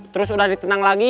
terus udah ditenang lagi